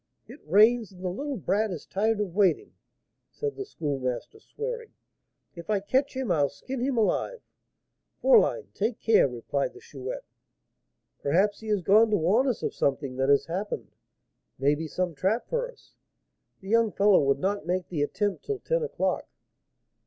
'It rains, and the little brat is tired of waiting,' said the Schoolmaster, swearing; 'if I catch him, I'll skin him alive!' 'Fourline, take care!' replied the Chouette. 'Perhaps he has gone to warn us of something that has happened, maybe, some trap for us. The young fellow would not make the attempt till ten o'clock.'